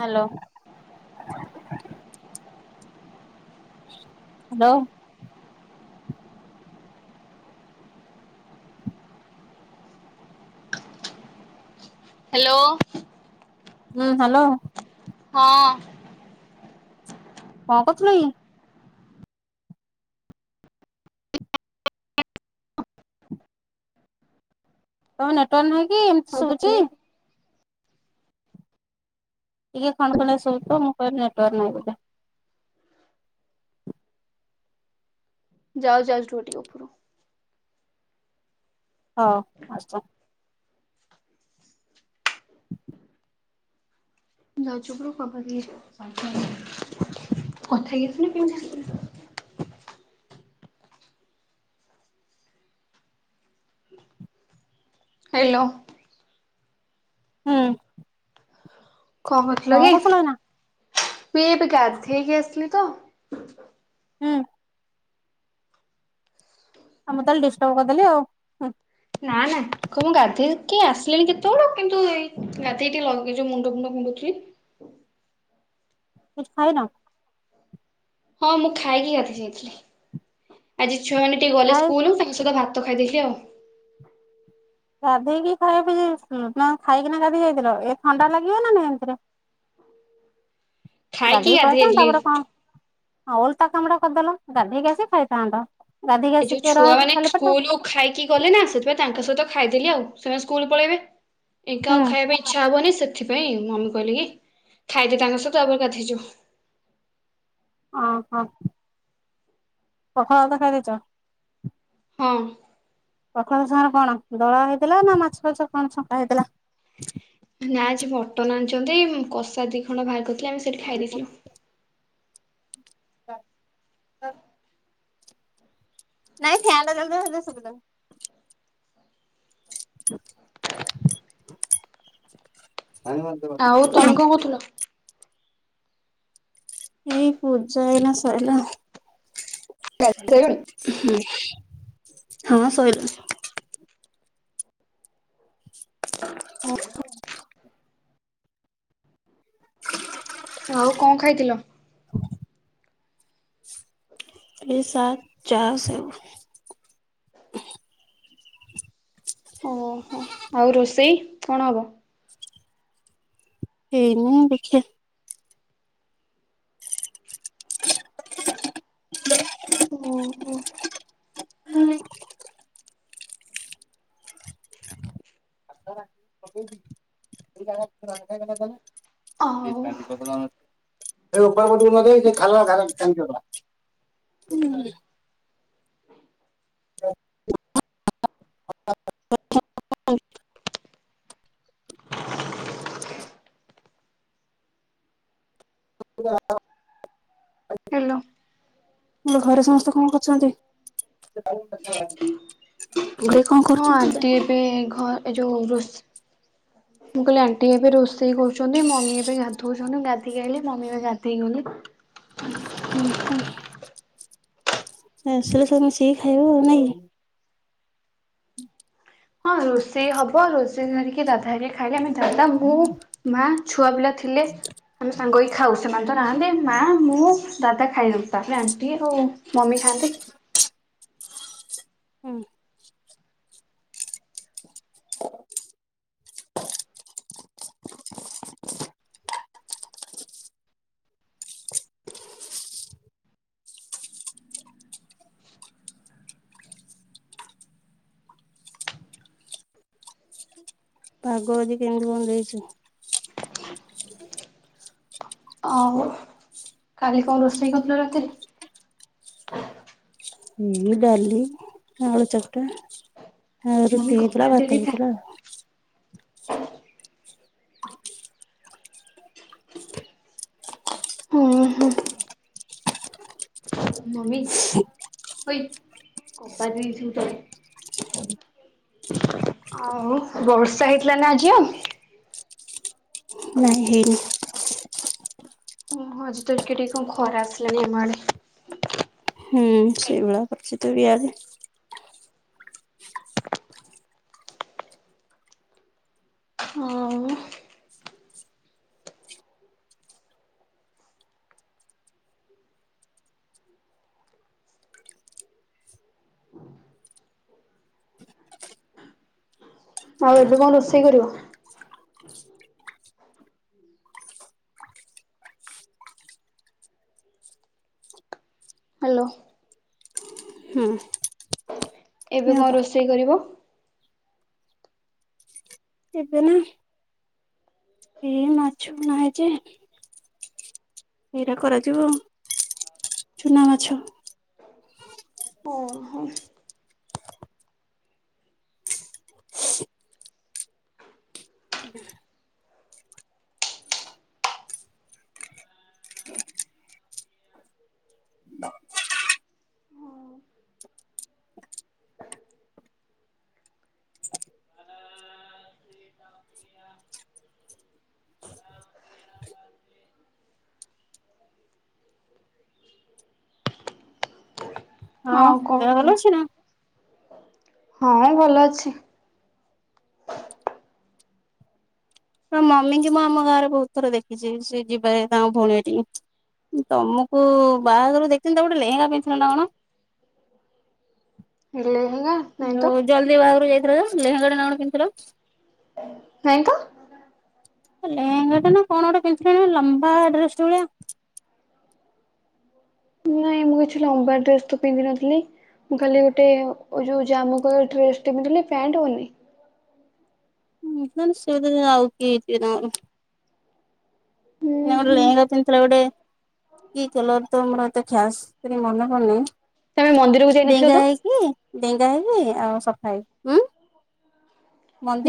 Hello. Hello. Hello. ହୁଁ hello. ହଁ। କଣ କରୁଥିଲ କି? ତମ ନେଟୱାର୍କ ନାହିଁ କି ଏମିତି ସୁଭୁଛି? ତମେ ଟିକେ ଖଣ ଖଣିଆ ଶୁବୁଥିବ ମୁଁ କହିବି ନେଟୱାର୍କ ନାହିଁ ବୋଲି। ଯାଉଛି ଯାଉଛି ରୁହ ଟିକେ ଉପୁରୁ। ହଁ, ଆସ। [inaudible] [inaudible] ମୁଁ ଯାଉଛି ଉପରକୁ କବାଟ ଦେଇ [inaudible] କଥା ହେଇକି ଆସିବି ନା କେମିତି ଆସିବି? ହାଲୋ! ହୁଁ। କଣ କରୁଥିଲ କି, ମୁଁ ଏଇ ଏବେ ଗାଧେଇକି ଆସିଲି ତ। ହୁଁ। ଆଉ ମୁଁ ତାହେ ଡିଷ୍ଟର୍ବ କରଦେଲି ଆଉ। ହୁଁ ନା, ନା, ମୁଁ ଗାଧେଇକି ଆସିଲିଣି କେତେବେଳୁ କିନ୍ତୁ ଏଇ ଗାଧେଇ ଟିକେ ଲଗେଇ ଏଇ ଯୋଉ ମୁଣ୍ଡ ଫୁଣ୍ଡ କୁଣ୍ଡୋଉଥିଲି। କିଛି ଖାଇନ? ହଁ, ମୁଁ ଖାଇକି ଗାଧେଇ ଯାଇଥିଲି, ଆଜି ଛୁଆମାନେ ଟିକେ ଗଲେ ଖାଇ ସ୍କୁଲ ତାଙ୍କ ସହିତ ଭା ଭାତ ଖାଇ ଦେଇଥିଲି ଆଉ। ଗାଧେଇକି ଖାଇବାକୁ ଯାଇଥିଲ, ନା ଖାଇକିନା ଗାଧେଇ ଯାଇଥିଲ, ଏ ଥଣ୍ଡା ଲାଗିବ ନା ନାଇଁ ଏମିତିରେ? ଖାଇକି ଗାଧେଇକି ପଳେଇ ଗାଧେଇ ଆସିଥାନ୍ତ ଯାଇଥିଲି। ତାପର କଣ ହଁ, ଓଲଟା କାମଟା କରିଦେଲ ଗାଧଇକି ଆସିକି ଖାଇଥାନ୍ତ, ଗାଧଇକି ଏ ଯୋଉ ଆସିକି କିଏ ଛୁଆ ରହେକି ମାନେ ଖାଲି ପେଟରେ? ସ୍କୁଲରୁ ଖାଇକି ଗଲେ ନା ସେଥିପାଇଁ ତାଙ୍କ ସହିତ ଖାଇଦେଲି ଆଉ, ସେମାନେ ସ୍କୁଲ ପଳେଇବେ ଏକା ହୁଁ ଆଉ ଖାଇବା ପାଇଁ ଇଛା ହବନି ସେଥିପାଇଁ ମମି କହିଲେ କି, ଖାଇଦେ ତାଙ୍କ ସହିତ ତାପରେ ଗାଧଇ ଯିବୁ। ଅଁ ହଁ। ପଖାଳ ଭାତ ଖାଇ ଦେଇଚ? ହଁ। ପଖାଳ ସାଙ୍ଗରେ କଣ ଦଳା ହେଇଥିଲା ନା ମାଛ ଫାଛ କଣ ଛଙ୍କା ହେଇଥିଲା? ନା ଆଜି ମଟନ ଆଣିଛନ୍ତି, କଷା ଦି ଖଣ୍ଡ ବାହାର କରିଥିଲେ ଆମେ ସେଇଠି ଖାଇ ଦେଇଥିଲୁ। [unintelligible] ନାଇଁ, ଫ୍ୟାନ୍ ଟା ଚାଲୁଥିଲା ତ ସେଥିପାଇଁ ଶୁଭିଲାନି। [inaudible] ଆାନିମା। ଆଉ ତମେ କଣ କରୁଥିଲ? ଏଇ ପୂଜା ଏଇନା ସରିଲା। ଉଁ ହୁଁ, ହଁ, ସରିଲାଣି। [inaudible] ଆଉ କଣ ଖାଇଥିଲ? ଏଇ ସା ଚା ସେଉ। ଓହୋଃ, ଆଉ ରୋଷେଇ କଣ ହବ? ହେଇନି ଦେଖିଆ। ହୁଁ, ହୁଁ। [unintelligible] ଆଉ [unintelligible] [unintelligible] [unintelligible] ହାଲୋ! ତମ ଘରେ ସମସ୍ତେ କଣ କରୁଛନ୍ତି? କିଲେ ହଁ ଆଣ୍ଟି ଏବେ ଘ ଏ ଯୋଉ ରୋଷେ ମୁଁ କହିଲି ଆଣ୍ଟି ଏବେ ରୋଷେ ଷେଇ କରୁଛନ୍ତି ମମି ଏବେ ଗାଧଉଛନ୍ତି। ଗାଧୋଇକି ଆଇଲେ ମମି ଏବେ ଗାଧୋଇ ଗଲେ। ହୁଁ ହୁଁ ଆସିଲେ ସବୁ ମିଶିକି ଖାଇବ ଆଉ ନାଇଁ? ହଁ ରୋଷେଇ ହବ ରୋଷେଇ ସାରିକି ଦାଦା ହରିକା ଖାଇଲେ ଆମେ ଦାଦା ମୁଁ ମା। ଛୁଆ ପିଲା ଥିଲେ। ଆମେ ସାଙ୍ଗ ହେଇ ଖାଉ। ସେମାନେ ତ ନାହାନ୍ତି ମା ମୁଁ ଦାଦା ଖାଇଦବୁ। ତାପରେ ଆଣ୍ଟି ଆଉ ମମି ଖାଆନ୍ତି। ହୁଁ। ପାଗ ଆଜି କେମିତି କଣ ଦେଇଚି? ଆଉ କାଲି କଣ ରୋଷେଇ କରିଥିଲ ରାତିରେ? ଏଇ ଡାଲି, ଆଳୁ ଚକଟା। ଆଉ ମମି ରୁଟିି ହେଇଥିଲା କବାଟ ଭାତ ଦେଇଦେଇଥା ହେଇଥିଲା। ହୁଁ ହୁଁ ମମି ହୋଇ କବା ଦେଇଛୁ ତଳେ। ଆଉ ବର୍ଷା ହେଇଥିଲା ନା ଆଜି ଆଉ? ନାଇଁ ହେଇନି। ହଁ ହଁ ଆଜି ଟିକେ ଟିକେ କଣ ଖରା ଆସିଲାନି ଆମଆଡେ। ହୁଁ ସେଇଭଳିଆ ଅଛିତ ଇଆଡେ। ହଁ ଉ ଆଉ ଏବେ କଣ ରୋଷେଇ କରିବ? ହ୍ୟାଲୋ। ହୁଁ। ଏବେ କଣ ହବା ରୋଷେଇ କରିବ? ଏବେ ନା ଏ ମାଛ କିଣା ହେଇଚି। ଏରା କରାଯିବ ଚୁନା ମାଛ। ଓହୋ। ହଁ ଆଉ କଣ ଦେହ କୁହ? ଭଲ ଅଛି ନା। ହଁ ଭଲ ଅଛି। ତୋ ମମିଙ୍କି ମୁଁ ଆମ ଗାଁରେ ବହୁତ ଥର ଦେଖିଛି ସେ ଯିବାରେ ତାଙ୍କ ଭଉଣୀ ଘଠିକି। ତମକୁ ବାହାଘରରେ ଦେଖିଥିଲି ତମେ ଗୋଟେ ଲେହେଙ୍ଗା ପିନ୍ଧିଥିଲ ନା କଣ? ଲେହେଙ୍ଗା ନାଇଁ ତ। ଯୋଉ ଜଲଦି ବାହାଘରକୁ ଯାଇଥିଲନା ଲେହେଙ୍ଗା ଟେ ନା କଣ ପିନ୍ଧିଥିଲ। ନାଇଁ ତ। ଲେହେଙ୍ଗା ଟେନା କଣ ଗୋଟେ ପିନ୍ଧିଥିଲ ଲମ୍ବା ଡ୍ରେସଟେ ଭଳିଆ। ନାଇଁ ମୁଁ କିଛି ଲମ୍ବା ଡ୍ରେସ ତ ପିନ୍ଧିନଥିଲି। ମୁଁ ଖାଲି ଗୋଟେ ଓ ଯୋଉ ଜାମୁ କଲର ଡ୍ରେସଟେ ପିନ୍ଧିଥିଲି ପ୍ୟାଣ୍ଟ, ଓନି। ହୁଁ ନହଲେ ସେ ବୋଧେ ଆଉ କିଏ ହେଇଥିବେ ତାଙ୍କର। ହୁଁ ନାଁ ଗୋଟେ ହୁଁ ଲେହେଙ୍ଗା ପିନ୍ଧିଥିଲା ଗୋଟେ କି କଲର ତ ମୋର ଏତେ ଖ୍ୟାସ କାଇଁ ମନେ ପଡ଼ୁନି, ତମେ ମନ୍ଦିରକୁ ଯାଇନଥିଲ ଡେଙ୍ଗା ତ ହେଇକି। ଡେଙ୍ଗା ହେଇକି ଆଉ ସଫା ହେଇ ଉଁ।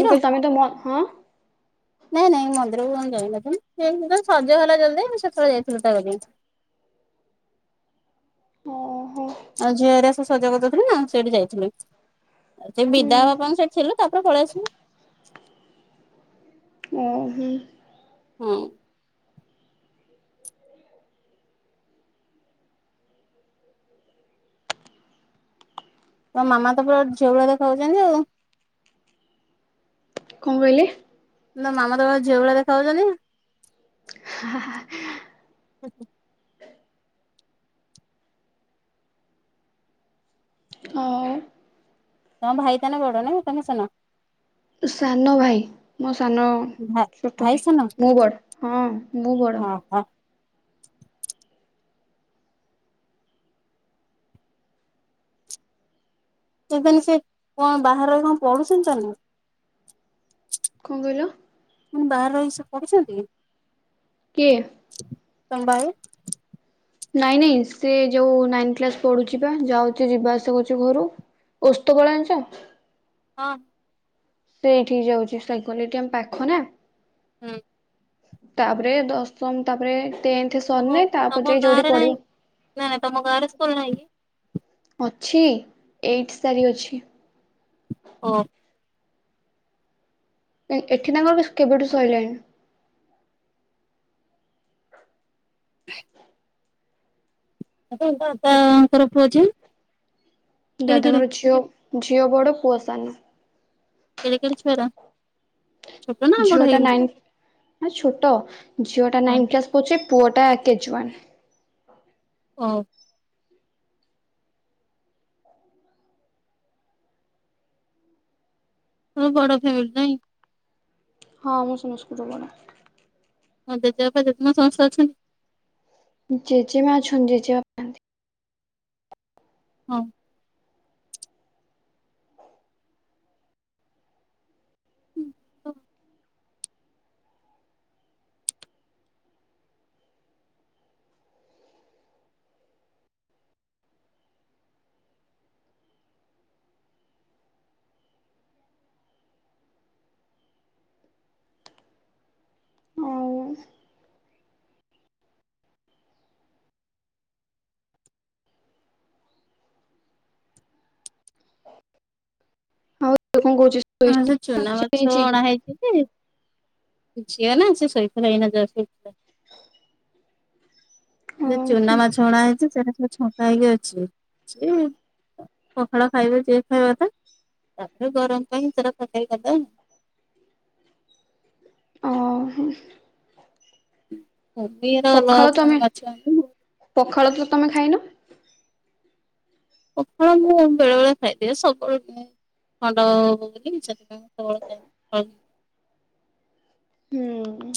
ମୁଁ କହିଲ ତମେ ତ ମ ହଁ ନାଇଁ ନାଇଁ ମନ୍ଦିରକୁ କଣ ଯାଇନଥିଲୁ ସେଗୁରା ସଜହେଲା ଜଲ୍ଦି ସେତେବେଳେ ଯାଇଥିଲୁ ତା କତିକି। ଓହୋ ଆଉ ଝିଅ ହେରା ସବୁ ସଜ କରିଦଉଥିଲେ ନା ସେଇଠି ଯାଇଥିଲୁ। ସେ ହୁଁ ବିଦା ବାପାଙ୍କୁ ସେଠି ଥିଲୁ, ତାପରେ ପଳେଇ ଆସିଲୁ। ଓ ହୁଁ। ହୁଁ। ତ ମାମା ତ ପୁରା ଝିଅଳା ଦେଖାହୋଉଚନ୍ତି ଆଉ। କଣ କହିଲେ? ନା ମାମା ତ ବା ଝିଅ ଭଳିଆ ଦେଖା ଯାଉଚନ୍ତିି। ହା-ହା-ହା ଆ। ହଉ। ତମ ଭାଇ ତାନେ ବଡ ନାଇ ତମେ ସାନ। ସାନ ଭାଇ ମୋ ସାନ ଭା ଛୋଟ ଭାଇ ସାନ ମୁଁ ବଡ ହଁ ମୁଁ ବଡ। ହଁ। ତେବେନ୍ ସେ କଁ ବାହାର ରହି କଣ ପଢୁଚନ୍ତି ତାନେ? କଁ କହିଲ? ଉମ୍ ବାହାର ରହି ସେ ପଢୁଛନ୍ତି କି? କିଏ? ତମ୍ ବାଇ। ନାଇଁ ନାଇଁ ସେ ଯୋଉ ନାଇନ୍ କ୍ଲାସ୍ ପଢୁଛି ବା ଯାଉଚି ଯିବା ଆସିବା କରୁଚି ଘରୁ। ଓସ୍ତଗଳା ଆଁଚ? ହଁ। ସେଇଠିକି ଯାଉଚି ସାଇକଲ୍ ଏଠି ଆମ ପାଖ ନା। ହୁଁ। ତାପରେ ଦଶମ୍ ତାପରେ ଟେନ୍ ତମ ତମ ଗାଁରେ ନାହିଁ ନା ନା ତମ ଗାଁ ରେ ସ୍କୁଲ ନାହିଁ କି? ଅଛି ଏଇଟ୍ ସାରି ଅଛି। ଓ। ନାଇଁ ଏଠି ତାଙ୍କର କେବେଠୁ ସଇଲାଣି। [inaudible] ସେଠି ତାଙ୍କର ଫୁଅ ଝିଅ? କେଡେ କେଡେ ଦାଦାଙ୍କର ଝିଅ ଝିଅ ବଡ଼ ପୁଅ ସାନ। କେଡେ କେଡେ ଛୁଆରା? ଛୋଟ ନା ବଡ ଝିଅ ଟା ହେଇଗଲେଣି? ନାଇନ୍ ଛୋଟ ଝିଅ ଟା ହଁ ନାଇନ୍ କ୍ଲାସ୍ ପଉଛି ପୁଅଟା କେଜି ୱାନ୍। ଓ। ତମ ବଡ ଫ୍ୟାମିଲି ନାଇଁ? ହଁ ଆମ ସମସ୍ତଙ୍କଠୁ ବଡ। ତମ ଜେଜେବାପା ଜେଜେମା ସମସ୍ତେ ଅଛନ୍ତି? ଜେଜେମା ଅଛନ୍ତି ଜେଜେବା ହଁ। ଆଉ ତ କଁ କୋହୁଚି ହଁ ସେ ଚୁନା ମାଛ ଅଣା ହେଇଛି ଯେ ଝିଅ ନା ସେ ସୋଇପଇଲା ଏଇନା ଜସ୍ଟ୍। ଯେ ଚୁନା ଓହୋ ମାଛ ଅଣା ହେଇଛି ସେଇଟା ସବୁ ଛଙ୍କା ହେଇକି ଅଛି। ପଖାଳ ଖାଇବେ ଯିଏ ଖାଇବା କଥା ତାପରେ ଗରମ୍ ପାଇଁ ସେଟା ତରକାରୀ କରିଦବ। ଓହୋ କୂମ୍ପିର ପଖାଳ ଲଗା ତମେ ପୁଣି ମାଛ ଆଣିଲୁ। ପଖାଳ ତ ତମେ ଖାଇନ? ପଖାଳ ମୁଁ ବେଳେ ବେଳେ ଖାଇଦିଏ ସବୁବେଳେ ଖାଏନି। [unintelligible] ହୁଁ।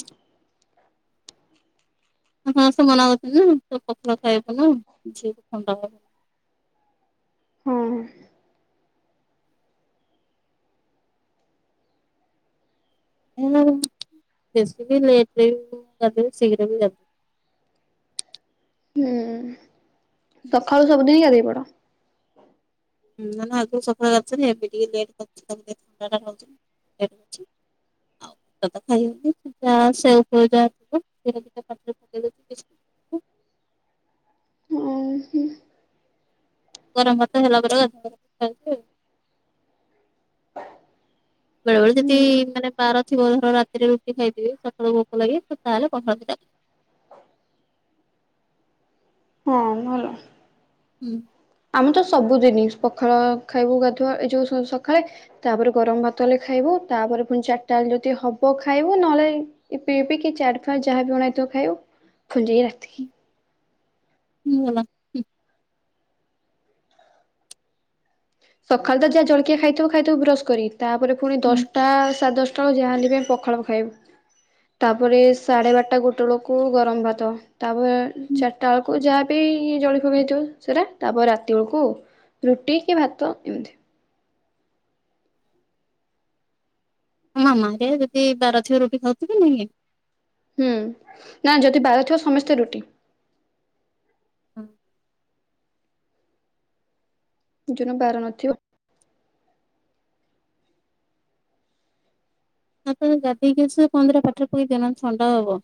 ହଁ ସମସ୍ତେ କରୁଛନ୍ତି ନା ପଖାଳ ଖାଇବୁନୁ ଝିଅକୁ ଥଣ୍ଡା ହବ। ହଁ। ଉମ୍ ବେସି ଲେଟ୍ରେ ଗାଧାଏ ଶୀଘ୍ର ବି ଗାଧେ ହୁଁ ସଖାଳୁ ସବୁଦିନ ଗାଦେଇ ପଡ। [unintelligible] [unintelligible] ଓହୋ ହୁଁ [unintelligible] ବେଳେ ବେଳେ ଯଦି ହଁ ମାନେ ବାର ଥିବ ଧର ରାତିରେ ରୁଟି ଖାଇଥିବି ସକାଳୁ ଭୋକ ଲାଗି ତାହେଲେ ପଖାଳ ଭାତ ଖାଏ। ହଁ ଭଲ। [inaudible] ଆମେ ତ ସବୁଦିନି ପଖାଳ ଖାଇବୁ ଗାଧୁଆ ଏଇ ଯୋଉ ସରି ସକାଳେ ତାପରେ ଗରମ ଭାତ ହେଲେ ଖାଇବୁ ତାପରେ ପୁଣି ଚାରିଟା ବେଳେ ଯଦି ହବ ଖାଇବୁ ନହେଲେ ଏ ପି ପି କି ଚାଟ ଫଳ ଯାହା ବିଣାଇଥିବ ଖାଇ ଖୁଞ୍ଇି ରାତିି [inaudible] ସକାଳୁ ତ ଯାହା ଜଳକିଆ ଖାଇଥିବ ଖାଇଥିବୁ ବ୍ରସ୍ କରି ତାପରେ ପୁଣି ଦଶଟା ସାଢେ ଦଶ ପଟାବେଳକୁ ଯାହାନ୍ତି ବି ପଖାଳ ପ ଖାଇବୁ ତାପରେ ସାଢ଼େ ବାରଟା ଗୋଟେ ବେଳକୁ ଗରମ ଭାତ ତାପରେ ଚାରିଟା ବେଳକୁ ଯାହା ବିି ଜଳି ଫକ ହେଇଥିବ ସେଟା ତାପରେ ରାତି ବେଳକୁ ରୁଟି କି ଭାତ ଏମିତି ମାମା ଘରିକା ଯଦି ବାର ଥିବ ରୁଟି ଖାଉଥିବେ ନାଇଁ ହୁଁ ନା ଯଦି ବାର ଥିବ ସମସ୍ତେ ରୁଟି। [inaudible] ଯୁନ ବାର ନଥିବ ଆ ତ ଗାଧେଇକି ପନ୍ଦର ପାରେ ପକେଇ ଦେନ ଥଣ୍ଡା ହବ।